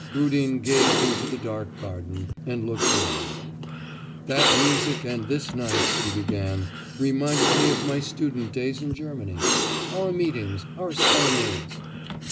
Rudin gazed into the dark garden, and looked round. 'That music and this night,' he began, 'reminded me of my student days in Germany; our meetings, our serenades.